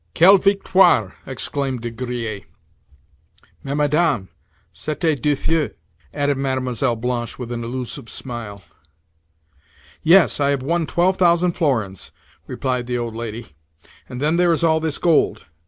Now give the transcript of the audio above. "Quelle victoire!" exclaimed De Griers. "Mais, Madame, c'était du feu!" added Mlle. Blanche with an elusive smile. "Yes, I have won twelve thousand florins," replied the old lady. "And then there is all this gold.